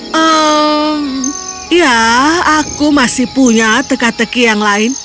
hmm ya aku masih punya teka teki yang lain